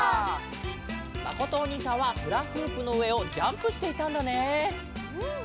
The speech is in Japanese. まことおにいさんはフラフープのうえをジャンプしていたんだね。